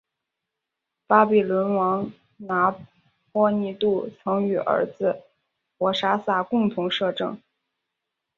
巴比伦王拿波尼度曾与儿子伯沙撒共同摄政。